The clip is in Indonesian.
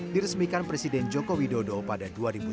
diresmikan presiden joko widodo pada dua ribu sembilan belas